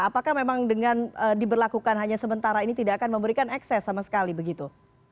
apakah memang dengan diberlakukan hanya sementara ini tidak akan memberikan ekses sama sekali begitu